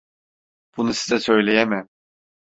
Bunu size söyleyemem.